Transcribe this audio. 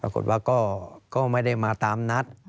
ปรากฏว่าก็ไม่ได้มาตามนัด